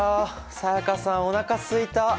才加さんおなかすいた！